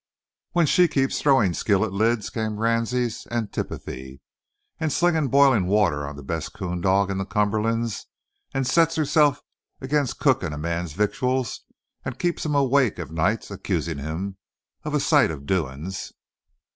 "When she keeps a throwin' skillet lids," came Ransie's antiphony, "and slings b'ilin' water on the best coon dog in the Cumberlands, and sets herself agin' cookin' a man's victuals, and keeps him awake o' nights accusin' him of a sight of doin's!"